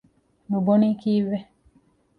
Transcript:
ނުބޮނީ ކީއްވެ؟